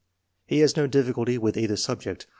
He has no difficulty with either subject.